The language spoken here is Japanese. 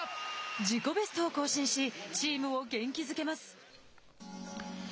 自己ベストを更新しチームを元気づけます。